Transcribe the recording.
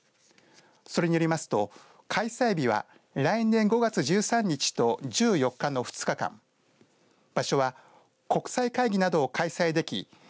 それによりますと開催日は来年５月１３日と１４日の２日間場所は国際会議などを開催でき